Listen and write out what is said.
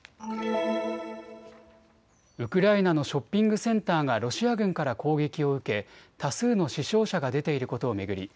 ウクライナのショッピングセンターがロシア軍から攻撃を受け多数の死傷者が出ていることを巡り